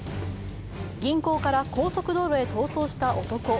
銀行から高速道路へ逃走した男。